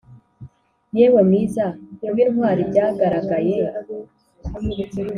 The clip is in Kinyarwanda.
yewe mwiza kubintwari byagaragaye